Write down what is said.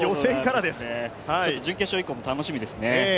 準決勝以降も楽しみですね。